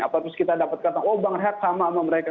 apakah kita dapat kata oh bangar enhad sama sama mereka